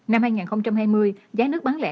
năm hai nghìn hai mươi giá nước bán lẻ